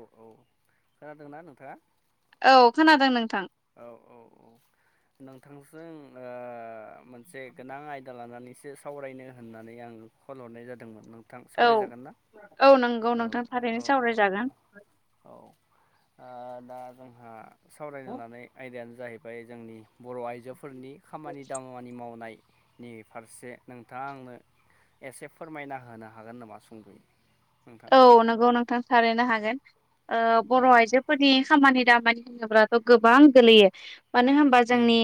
औ औ खोनादोंना नोंथाङा औ खोनादों नोंथां औ औ औ नोंथांजों ओ मोनसे गोनां आयदा लानानैसो सावरायनो होननानै आं कल हरनाय जादोंमोन नोंथां औ सावरायजागोन ना औ नंगौ औ नोंथां औ थारैनो औ औ औ सावरायजागोन औ ओ दा जोंहा सावरायनो लानाय आयदायानो जाहैबाय जोंनि बर' आइजोफोरनि खामानि दामानि मावनायनि फारसे नोंथाङा आंनो एसे फोरमायना होनो हागोन नामा सुंदुयै? औ नोंगौ नोंथां थारैनो हागोन ओ औ बर' आइजोफोरनि खामानि दामा नि होनोबथ' गोबां गोलैयो मानो होनबा उम जोंनि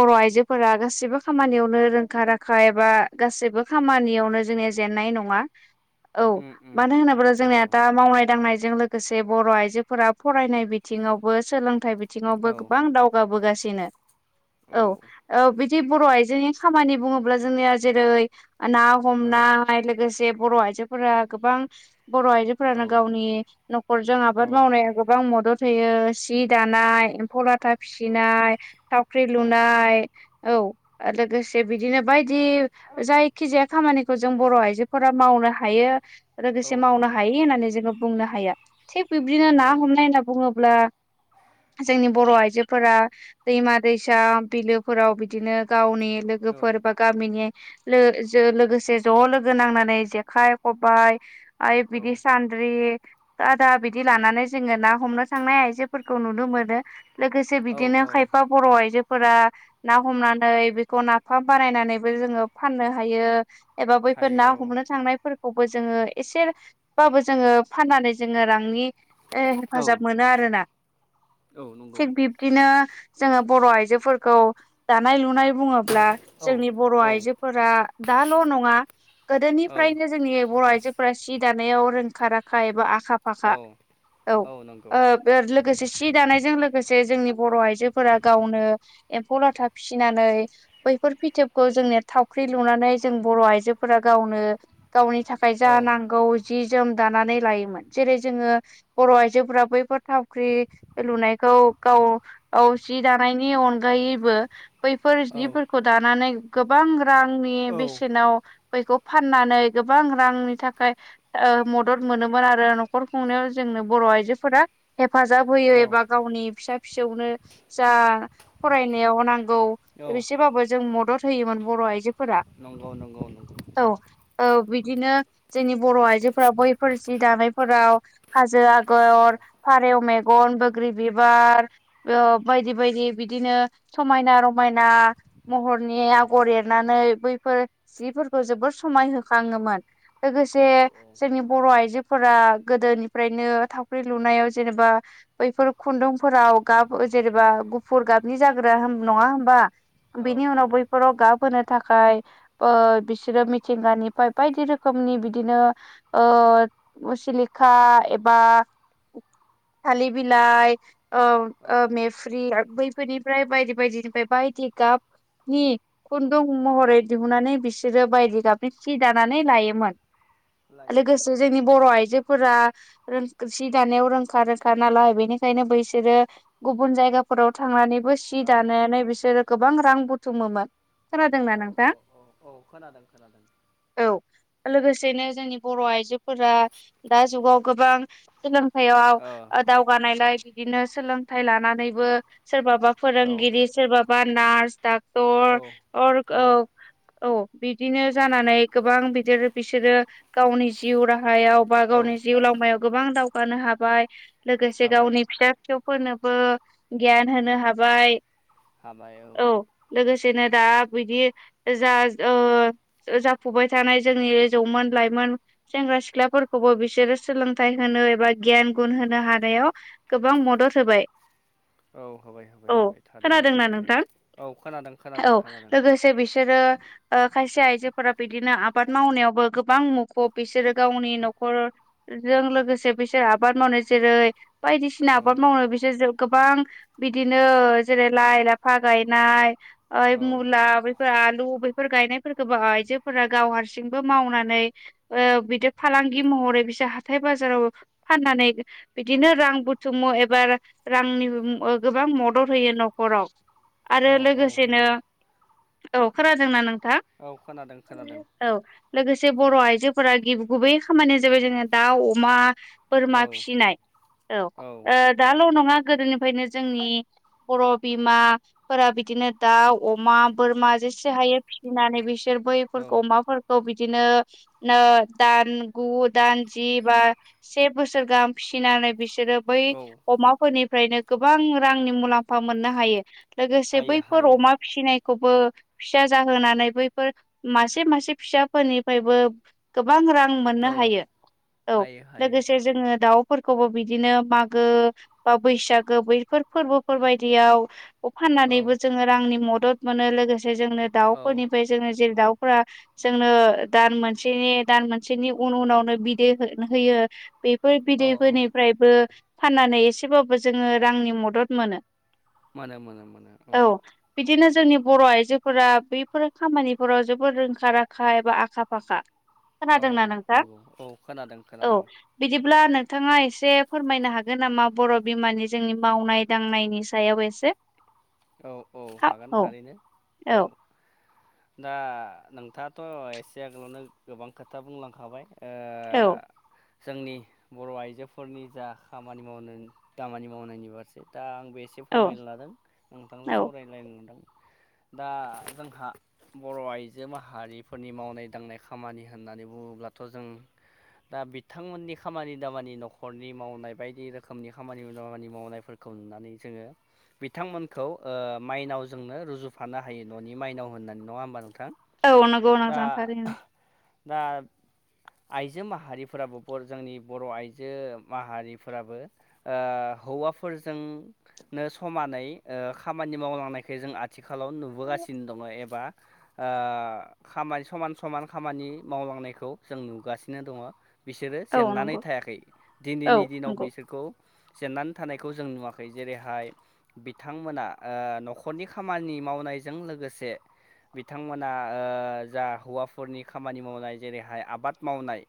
बर' आइजो फोरा गासैबो खामानियावनो रोंखा राखा एबा गासैबो खामानियावनो जोंनिया जेनन्नाय नङा। औ उम उम मानो होनोब्ला जोंनिया नंगौ दा मावनाय दांनाय जों लोगोसे बर' आइजोफोरा फरायनाय बिथिङावबो सोलों थाय बिथिंङावबो औ गोबां दावगाबोगासिनो औ औ बिदि बर' आइजोनि खामानि बुङोब्ला जोंनिया जेरै ना औ हमनाय लोगोसे बर' आइजोफोरा गोबां बर' आइजोफोरानो औ गावनि न'खरजों आबाद औ मावनायाव गोबां मदद होयो। सि औ दानाय एम्फौ लाथा फिसिनाय थावख्रि औ लुनाय औ [inaudible] [unintelligible] लोगोसे बिदिनो बायदि जायखि जाया खामानिखौ जों बर' आइजोफोरा मावनो हायो। लोगोसे औ मावनो हायि होननानै जोङो बुंनो हाया थिग बिब्दिनो ना नंगौ नंगौ हमनाय होनना बुङोब्ला जोंनि बर' आइजो फोरा दैमा दैसा बिलोफोराव बिदिनो गावनि औ लोगोफोर बा गामिनि लो-जो-लोगोसे ज' लोगो नांनानै जेखाइ खबाय आइ औ बिदि सान्द्रि खादा बिदि लानानै जोङो ना हमनो थांनाय आइजोफोरखौ नुनो मोनो। लोगोसे औ बिदिनो औ खायफा बर' आइजो फोर ना हमनानै बेखौ नाफाम बानायनानैबो जोङो फाननो हायो। एबा बैफोर हायो ना हमनो औ थांनायफोरखौबो जोङो एसेबाबो जोङो फाननानै जोङो रांनि ओ औ हेफाजाब मोनो आरोना। औ नंगौ थिग बिब्दिनो जोङो बर' आइजोफोरखौ दानाय लुनाय बुङोब्ला औ जोंनि बर' औ आइजोफोरा दाल' नङा औ गोदोनिफ्रायनो जोंनि बर' आइजो जि दानायाव रोंखा राखा एबा आ खा औ फाखा औ ओ लोगोसे सि दानायजों लोगोसे जोंनि बर' आइजोफोरा गावनो एम्फौ लाथा फिसिनानै बैफोर फिथोबखौ जोंनिया थावख्रि लुनानै जों बर' आइजोफोरा गावनो गावनि थाखाय औ जा नांगौ जि जोम दानानै लायोमोन जेरै जोङो बर' आइजोफोरा बैफोर थावख्रि लुनायखौ गाव औ जि दानायनि अनगायैबो बैफोर औ जिफोरखौ दानानै गोबां रांनि औ बेसेनाव बैखौ फाननानै गोबां रांनि थाखाय ओ मदद मोनोमोन आरो न'खर खुंनायाव जोंनो बर' आइजोफोरा हे फाजाब होयो एबा औ गावनि फिसा फिसौनो जा फरायनायाव नां गौ औ एसेबाबो जों मदद होयोमोन बर' आइजो फोरा नंगौ नंगौ नंगौ औ औ बिदिनो जोंनि बर' आइजोफोरा बैफोर जि दानायफोराव हाजो औ आगर फारौ मे गन बोग्रि औ बिबार ओ बायदि बाय दि बिदिनो समायना रमायना महरनि औ आगर एरनानै बै फोर जिफोरखौ जोबोर समाय होखाङोमोन लोगोसे औ जोंनि बर' आइजो फोर गोदोनिफ्रायनो थावख्रि लुनायाव जेनेबा बैफोर खुन्दुंफोराव गाब जेनेबा गुफुर गाबनि जाग्रोया नङा होमबा बिनि औ उनाव बैफोराव नंगौ गाब होनोनो थाखाय ओ बिसोरो मिथिंगानिफ्राय बायदि रोखोम नि बिदिनो सिलिखा एबा थालि बिलाइ ओ औ ओ मेफ्रि बै फोरनिफ्राय बायदि बायदिनिफ्राय बायदि गाबनि खुन्दुं औ महरै दिहुननानै बिसि रो बायदि गाबनि सि दानानै लायोमोन लायो लोगोसे जोंनि बर' आइजोफोरा रों सि दानायाव रोंखा रोखा नालाय बेनिखायनो बैसोरो गुबुन जायगाफोराव थांनानै बो सि औ दानायानानै बिसोरो गोबां रां बुथुमोमोन। खोनादोंना औ नोंथां? औ औ औ खोनादों खोनादों औ। लोगोसेनो जोंनि बर'आइजोफोरा दा जुगाव गोबां सोलों थायाव औ ओ दावगानायलाय बिदिनो सोलोंथाइ लानानैबो सोरबाबा औ फोरोंगिरि सोरबाबा नार्स डाक औ टर अर औ औ बिदिनो जानानै गोबां बिदिर बिसोरो गावनि जिउ राहायाव बा औ गावनि जिउ लावमायाव गोबां दावगानो हाबाय लोगोसे हाबाय गावनि फिसा फिसौफोरनोबो गियान होनो हाबाय। हाबाय औ। बिदिनो दा बोयदि जा ओ जाफुबाय थानाय जोंनि जौमोन लाइमोन सेंग्रा सिख्लाफोरखौबो बिसोरो सोलोंथाइ होनो एबा गियान गुन होनो हानाय नायाव गोबां मदद होबाय। औ होबाय होबाय औ होबाय थारैनो खोनादोंना सैथो नोंथां? औ खोनादों औ खोनादों खोनादों। लोगोसे बिसोरो ओ खायसे आइजोफोरा बिदिनो आबाद मावनायावबो गोबां मुखुब बिसोरो गावनि न'खरजों लोगोसे बिसोरो आबाद मावनाय जेरै बायदिसिना औ आबाद मावो बिसोर [unintelligible] बां बिदिनो जेरै लाइ लाफा गायनाय ओ औ मुला बोला आलु बेफोर गायनायफोरखौबो आइजोफोरा गाव हारसिंबो मावनानै नै ओ बिदि फालांगि महरै बिसोर हाथाय बाजाराव फाननानै बिदिनो रा रां बुथुमो एबा रांनि ओ गोबां मदद होयो न'खराव। औ आरो औ लोगोसेनो होयो औ खादोंना नों थां औ खोनादों खोनादों औ लोगोसे सासे बर' आइजोफोरा गिबि गुबै खामानिया जाबाय जोङो दाउ अमा बोरमा औ फिनाय औ ओ दाल' नङा गोदोनिफ्रायनो जोंनि बर' बिमाफोरा बिदिनो दाउ अमा, बोरमा जेसे हायो फिसिनानै बिसोर बैफोरखौ औ अमाफोरखौ बिदि बिदिनो ओ दान गु दानजि बा से बोसोर गाहाम फिसिनानै बिसो बिसोरो बै औ अमाफोरनिफ्रायनो गोबां रांनि मुलाम्फा मोननो हायो। लोगोसे हायो बैफोर अमा हायो फिसिनाय खौबो फिसा जाहोनानै बैफोर मासे मासे फिसा फोरनिफ्रायबो गोबां रां मोननो औ हायो औ हायो हायो लोगोसे जोङो दाउ फोरखौबो बिदिनो मागो बा बैसागो बैफोर फोरबोफोर बायदियाव खौ औ फाननानैबो जोङो रांनि मदद मोनो लोगोसे जोंनो औ दाउफोरनिफ्राय जोङो जेरै दाउ फोरा जों नो दान मोनसेनि दान मोनसेनि उन उनावनो बिदै हो- होयो बे फोर औ बिदैफोरनिफ्रायबो फाननानै एसेबाबो जोङो रांनि मदद मोनो। मानो मोनो मोनो औ। बिदिनो जोंनि बर' आइजोफोरा बैफोर खामानिफोराव जोबोद रोंखा राखा एबा आखा फाखा। औ खोनादोंना नोंथां नंगौ औ खोनादों खोनादों। अब्ला नोंथाङा एसे फोरमायनो हागोन नामा बर' बिमानि जोंनि मावनाय दांनायनि सायाव एसे? औ औ हागोन थारैनो औ। दा नोंथाङाथ' एसे आगोलावनो गोबां खोथा बुंलांखाबाय। ओ औ जोंनि बर' आइजोफोरनि जा खामानि मावनो दामानि मावनायनि फारसे दा आं बे एसे फोरमायनो लादों नोंथांजों औ सावरायलायनो नोंथां। दा जोंहा बर' आइजो माहारिफोरनि मावनाय दांनाय खामानि होननानै बुङो अल्बाथ' जों दा बिथांमोननि खामानि दामानि न'खरनि मावनाय बायदि रोखोमनि खामानि दामानि मावनायफोर खौ नुनानै जोङो बिथांमोनखौ खौ ओ माइनावजोंनो रुजुफानो हायो न'नि माइनाव होननानै नङा होनबा नों औ नंगौ नोंथां थारैनो दा आइजो माहारिफोराबो बर जोंनि बर' आइजो माहारिफोराबो ओ हौवाफोरजोंनो समानै ओ खामानि मावलांनायखो जों आथिखालाव नुबोगासिनो दङ एबा ओ खामाय समान समान खामानि मावलांनायखौ जों नुगासिनो दङ बिसोरो औ जेननानै नंगौ थायाखै औ दिनैनि दिनाव नंगौ बिसोरखौ जेननानै थानायखौ जों नुवाखै जेरैहाय बि थांमोना ओ न'खरनि खामानि मावनायजों लोगोसे बिथांमोना ओ जा हौवाफोरनि खामानि मावनाय जेरैहाय आबाद मावनाय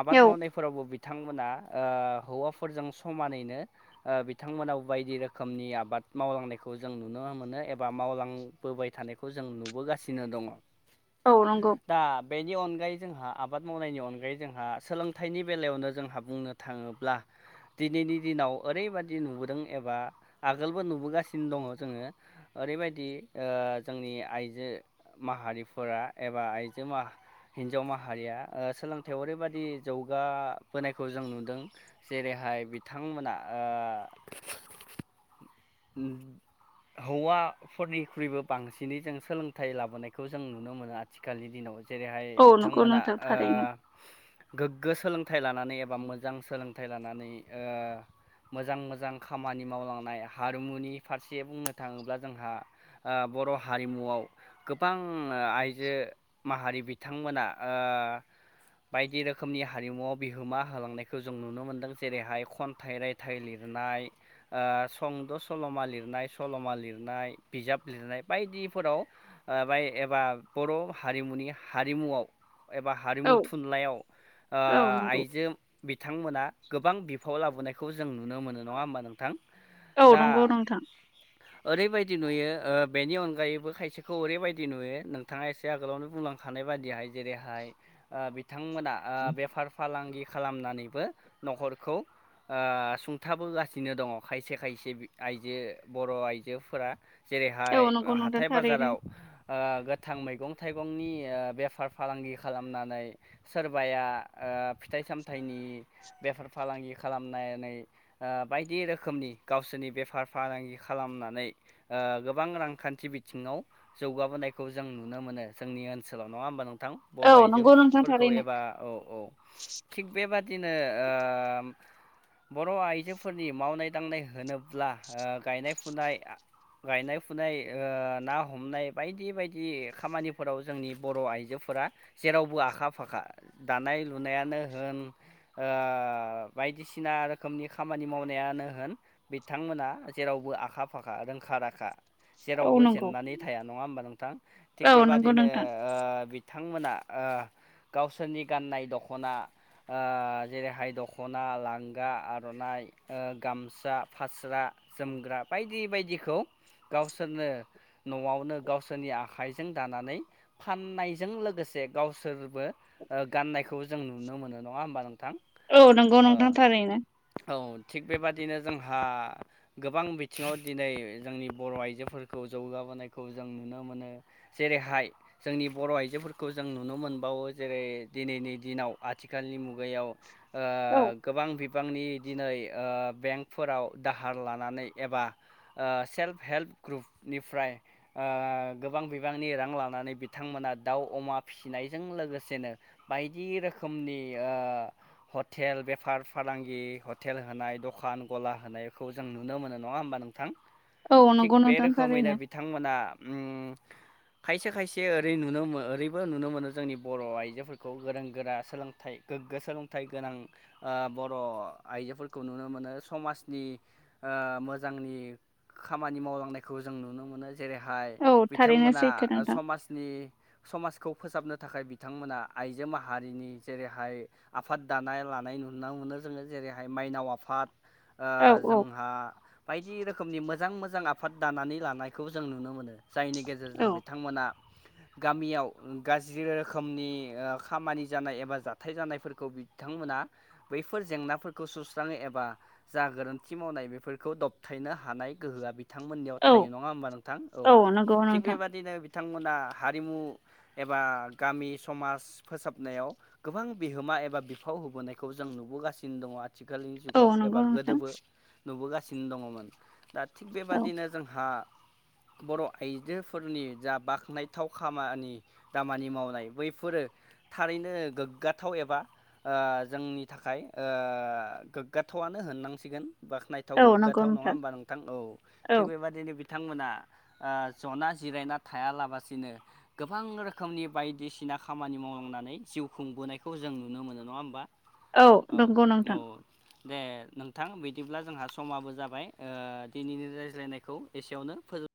आबाद औ मावनायफोरावबो बिद थांमोना ओ हौवाफोरजों समानैनो ओ बिथांमोना बायदि रोखोमनि आबाद मावलांनायखौ जों नुनो मोनो एबा मावलांबोबाय थानायखौ जों नुबोगासिनो दङ औ नंगौ दा बेनि अनगायै जोंहा आबाद मावनायनि अनगायै जोंहा सोलोंथाइनि बेलायावनो जोंहा बुंनो थाङोब्ला दिनैनि दिनाव ओरैबादि नुबोदों एबा आगोल बो नुबोगासिनो दङ जोङो ओरैबायदि ओ जोंनि आइजो माहारि फोर एबा आइजो माह हिनजाव माहारिया ओ सोलोंथायाव ओरैबादि जौगाबोनायखौ जों नुदों जेरै हाय बिथांमोना ओ उम हौवाफोरनिख्रुइबो बांसिनै जों सोलोंथाइ लाबोनायखौ जों नुनो मोनो आथिखालनि दिनाव जेरैहाय औ नंगौ बिथांमोना नोंथां ओ थारैनो गोग्गो सोलोंथाइ लानानै एबा मोजां सोलोंथाइ लानानै ओ मोजां मोजां खामानि मावलांनाय हा हारिमुनि फारसे बुंनो थाङोब्ला जोंहा ओ बर' हारिमुआव गोबां ओ आइजो माहारि बिथांमोना ओ बायदि रोखोमनि हारिमुआव बिहोमा होलांनायखौ जों नुनो मोनदों जेरैहाय खनथाइ रायथाइ लिर नाय ओ सुंद' सल'मा लिरनाय सल'मा लिरनाय बिजाब लिरनाय बायदिफोराव ओ बाय ए एबा बर' हारिमुनि हारिमुआव एबा औ हारिमु थुनलायाव ओ औ नंगौ आइजो बिथांमोना गोबां बि फाव लाबोनायखौ जों नुनो मोनो नङा होमबा नोंथां औ दा नंगौ नोंथां ओरैबायदि नुयो ओ बेनि अनगायैबो खायसेखौ ओरैबायदि नुयो नोंथाङा एसे आगोलावनो बुंलां खानाय बादिहाय जेरैहाय ओ बिथांमोना ओ बेफार फालांगि खालामनानैबो न'खरखौ ओ सुंथाबोगासिनो दङ खायसे खायसे आइजो बर' आइजोफोरा जेरैहाय औ नंगौ नोंथां हाथाय थारैनो बाजाराव ओ गोथां मैगं थाइगंनि ओ बेफार फालांगि खालामनानै सोरबाया ओ फिथाइसामथाइनि बेफार फालांगि खालामनानै ओ बायदि रोखोमनि गावसिनि बेफार फालांगि खालामनानै ओ गोबां रांखान्थि बिथिङाव जौगाबोनाय खौ जों नुनो मोनो जोंनि ओनसोलाव नङा होनबा नों थां बर' औ नंगौ नोंथां आइजोफोरखौ थारैनो एबा औ औ थिग बेबादिनो ओ बर' आइजोफोरनि मावनाय दांनाय होनोब्ला ओ गायनाय फुनाय गायनाय फुनाय ओ ना हमनाय बायदि-बायदि खामानिफोराव जोंनि बर' आइजो फोरा जेरावबो आखा फाखा दानाय लुनायानो होनाय ओ बाय बायदिसिना रोखोमनि खामानि मावनायानो होन बिथांमोना जेरावबो आखा फाखा रोंखा राखा औ जेरावबो नंगौ जेननानै थाया नंङा होमबा नोंथां थिग औ नंगौ बेबादिनो नोंथां ओ बिथांमोना ओ गावसोरनि गाननाय दख'ना जेरैहाय दख'ना लांगा आर'नाइ गामसा फास्रा जोमग्रा बायदि बायदिखौ गावसोरनो न'आवनो गावसोरनि आखाइजों दानानै फाननायजों लोगोसे गावसोरबो गाननायखौ जों नुनो मोनो नंङा होमबा नों औ नंगौ नोंथांथारैनो, ! औ थिग बेबादिनो जों गोबां बिथिंङाव दिनै जोंनि बर' आइजोफोरखौ जौगाबोनायखौ जों नुनो मोनो। मोन जेरैहाय जोंनि बर' आइजोफोरखौ जों नुनो मोनबावो जेरै दिनैनि दिनाव आथिखालनि मुगायाव औ गोबां बिबांनि दिनै बें फोराव दाहार लानानै एबा सेल्फ हेल्प ग्रुपनिफ्राय गोबां बिबांनि रां लानानै बिथांमोन दाउ अमा फिसिनायजों लोगोसेनो बायदि रोखोमनि हटेल, बेफार फालांगि हटेल, होनाय दखान, ! गला होनायखौ जों नुनो मोनो नंङा होमबा नोंथां? औ थिग नंगौ बे नोंथां रोखोमैनो थारैनो बिथांमोना खायसे खायसे ओरै नुनो ओरैबो नुनो मोनो जोंनि बर' आइजोफोरखौ गोरों गोरा सोलोंथाइ गोगो सोलोंथाइ गोनां बर' आइजोफोरखौ नुनो मोनो समाजनि मोजांनि खामानि मावलांनायखौ जों नुनो मोनो। जेरैहाय औ थारैनो बिथांमोना सैथो नोंथां समाजनि समाजखौ फोसाबनो थाखाय बिथांमोना आइजो माहारिनि जेरैहाय आफाद दानो लानाय नुनो मोनो जोंङो जेरै जेरैहाय माइनाव आफाद औ औ जोंहा बायदि रोखोमनि मोजां मो मोजां आफाद दानानै लानायखौ जों नुनो मोनो जायनि गेजेरजों औ बिथांमोना गामियाव गाज्रि रोखोमनि खामानि जानाय एबा जाथाय जानायफोरखौ बिथांमोना बैफोर जेंनाफोरखौ सुस्रांङो एबा जा गोरोन्थि मावनाय बेफोरखौ दबथायनो हानाय गोहोआ बिथा बिथांमोननियाव औ थायो नंङा होमबा नोंथां। औ नंगौ थिग नोंथां बेबायदिनो बिथांमोना हारिमु एबा गामि समाज फोसाबनायाव गोबां बिहोमा एबा बिफाव होबोनायखौ जों नुबोगासिनो दंङो। आथिखालनि औ जुगाव एबा नंगौ नोंथां गोदोबो नुबोगासिनो दंङोमोन। दा थिग औ बेबादिनो जोंहा बर' आइजोफोरनि जा बाख्नायथाव खामानि दामानि मावनाय बैफोरो थारैनो गोगाथाव एबा जोंनि थाखाय गोगाव गोथावआनो होननांसिगोन बाखनायथाव औ नंगौ गोगथाव नंङा होमबा नोंथां। औ औ थिग बेबदिनो बिथांमोना जना जिरायना थायालासिनो गोबां रोखोमनि बायदिसिना ना खामानि मावलांनानै जिउ खुंबोनायखौ जों नुनो मोनो नंङा होमबा। औ नंगौ औ नोंथां, दे नोंथां बिदिब्ला जोंहा समाबो जाबाय दिनैनि रायज्लायनायखौ एसेयावनो फोजोब